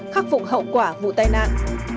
khắc phục hậu quả vụ tai nạn